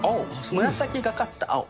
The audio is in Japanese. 紫がかった青。